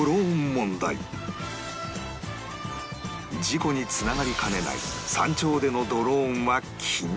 事故につながりかねない山頂でのドローンは禁止